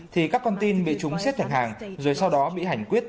thì các con tin bị chúng xếp thành hàng rồi sau đó bị hành quyết